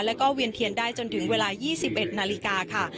แล้วก็เวียนเทียนได้จนถึงเวลา๒๑นาฬิกาค่ะ